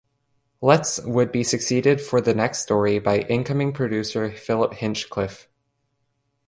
Letts would be succeeded for the next story by incoming Producer Philip Hinchcliffe.